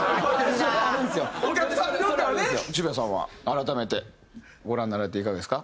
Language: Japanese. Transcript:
渋谷さんは改めてご覧になられていかがですか？